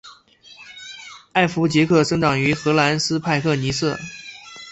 艾佛杰克生长于荷兰斯派克尼瑟。